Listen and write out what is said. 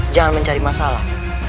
jangan mencari masalah